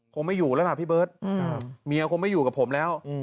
ไม่อยู่แล้วล่ะพี่เบิร์ตเมียคงไม่อยู่กับผมแล้ว